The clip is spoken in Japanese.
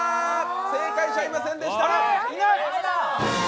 正解者はいませんでした！